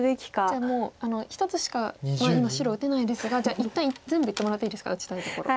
じゃあもう一つしか今白打てないですがじゃあ一旦全部言ってもらっていいですか打ちたいところ。